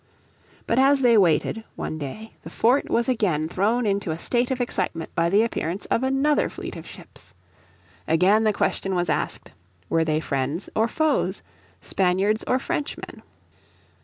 But as they waited, one day, the fort was again thrown into a state of excitement by the appearance of another fleet of ships. Again the question was asked, were they friends or foes, Spaniards or Frenchmen?